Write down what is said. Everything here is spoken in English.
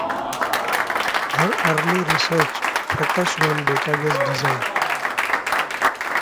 Her early research focussed on database design.